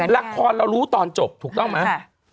ละครเรารู้ตอนจบถูกต้องไหม